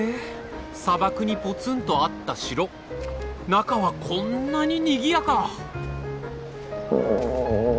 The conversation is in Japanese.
砂漠にポツンとあった城中はこんなににぎやか！